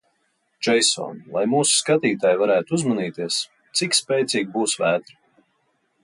Džeison, lai mūsu skatītāji varētu uzmanīties, cik spēcīga būs vētra?